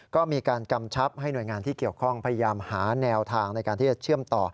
ก็มีการกำชับให้หน่วยงานที่เกี่ยวข้องพยายามหาแนวทางในการที่จะเชื่อมต่อ